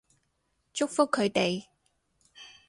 祝福佢哋